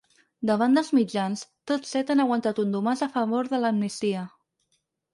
Davant dels mitjans, tots set han aguantat un domàs a favor de l’amnistia.